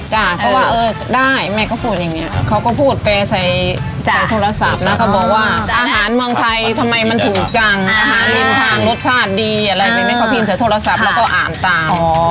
จ้ะเขาว่าเออได้แม่ก็พูดอย่างเงี้ยเขาก็พูดไปใส่จ้ะใส่โทรศัพท์นะก็บอกว่าอาหารมองไทยทำไมมันถูกจังอาหารริมทางรสชาติดีอะไรไม่ไม่เขาพิมพ์เฉยโทรศัพท์แล้วก็อ่านตามอ๋อ